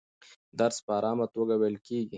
درس په ارامه توګه ویل کېږي.